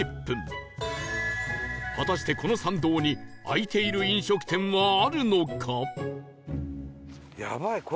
果たしてこの参道に開いている飲食店はあるのか？